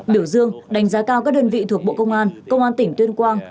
biểu dương đánh giá cao các đơn vị thuộc bộ công an công an tỉnh tuyên quang